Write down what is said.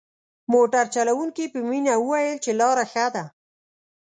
موټر چلوونکي په مينه وويل چې لاره ښه ده.